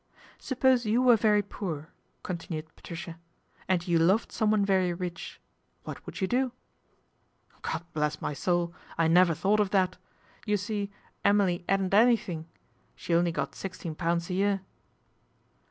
" Suppose you were very poor," continue Patricia, " and you loved someone very rid What would you do ?"" God bless my soul ! I never thought of tha You see Emily 'adn't anything. She only gqf sixteen pounds a year."